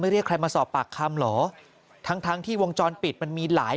เรียกใครมาสอบปากคำเหรอทั้งทั้งที่วงจรปิดมันมีหลาย